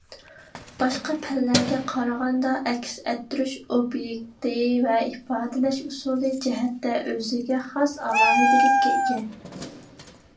باشقا پەنلەرگە قارىغاندا ئەكس ئەتتۈرۈش ئوبيېكتى ۋە ئىپادىلەش ئۇسۇلى جەھەتتە ئۆزىگە خاس ئالاھىدىلىككە ئىگە.